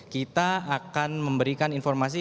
kita akan memberikan informasi